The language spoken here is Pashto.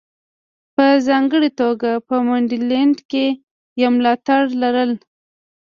په ځانګړې توګه په منډلینډ کې یې ملاتړي لرل.